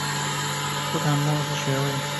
福坦莫法学院授予法律博士学位。